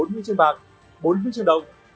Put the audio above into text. bốn huy chương bạc bốn huy chương đồng